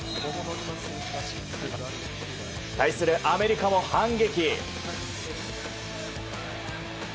対するアメリカも反撃。